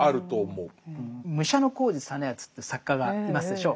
武者小路実篤って作家がいますでしょう。